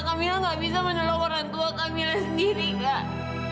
kamila nggak bisa menolong orang tua kamila sendiri kak